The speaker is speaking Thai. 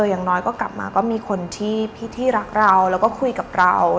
อย่างน้อยก็กลับมาก็มีคนที่รักเราแล้วก็คุยกับเรา